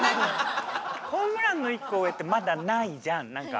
ホームランの一個上ってまだないじゃん何かねえ。